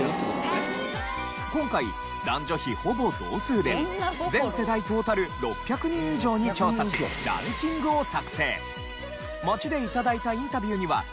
今回男女比ほぼ同数で全世代トータル６００人以上に調査しランキングを作成。